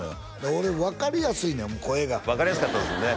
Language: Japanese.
俺分かりやすいねん声が分かりやすかったですね